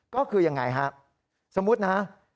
ก็คือยังไงครับสมมุตินะครับ